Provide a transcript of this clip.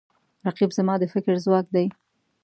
رقیب زما د فکر ځواک دی